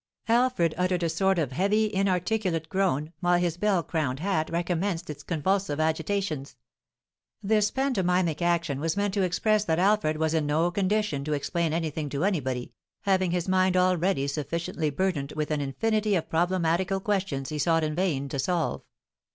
Alfred uttered a sort of heavy, inarticulate groan, while his bell crowned hat recommenced its convulsive agitations. This pantomimic action was meant to express that Alfred was in no condition to explain anything to anybody, having his mind already sufficiently burdened with an infinity of problematical questions he sought in vain to solve.